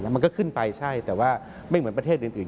มันก็ขึ้นไปใช่แต่ว่าไม่เหมือนประเทศอื่น